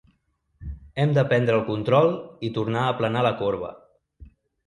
Hem de prendre el control i tornar a aplanar la corba.